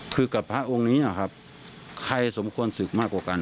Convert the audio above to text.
คือกับพระองค์นี้ครับใครสมควรศึกมากกว่ากัน